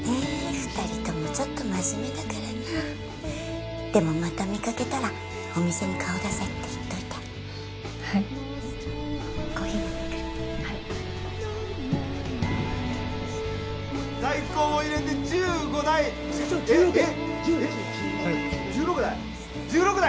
二人ともちょっと真面目だからなでもまた見かけたらお店に顔出せって言っといてはいコーヒー入れてくるはい在庫も入れて１５台社長１６１６１６台？